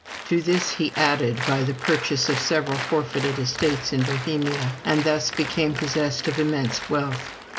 To this he added by the purchase of several forfeited estates in Bohemia, and thus became possessed of immense wealth.